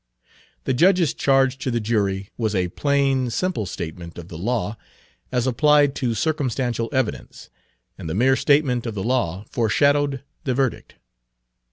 The judge's charge to the jury was a plain, simple statement of the law as applied to circumstantial evidence, and the mere statement of the law foreshadowed the verdict.